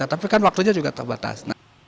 tapi kan waktunya juga terbatas